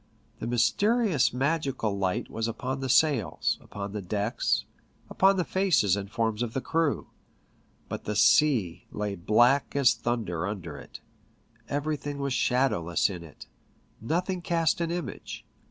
The mysterious magical light was upon the sails, upon the decks, upon the faces and forms of the crew ; but the sea lay black as thunder under it ; everything was shadowless in it ; nothing cast an image.